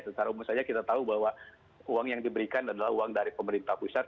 secara umum saja kita tahu bahwa uang yang diberikan adalah uang dari pemerintah pusat